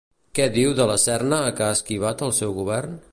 Què diu De la Serna que ha esquivat el seu govern?